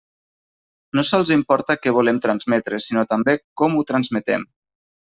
No sols importa què volem transmetre sinó també com ho transmetem.